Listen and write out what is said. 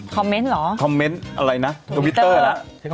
คอมเม้นต์เหรอคอมเม้นต์อะไรนะตอบวิทเตอร์